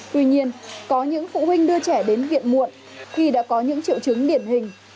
tuy nhiên có những phụ huynh đưa trẻ đến viện muộn khi đã có những triệu chứng điển hình